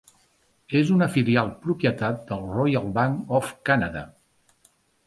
És una filial propietat del Royal Bank of Canada.